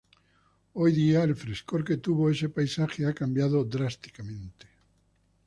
Hoy día el frescor que tuvo ese paisaje ha cambiado drásticamente.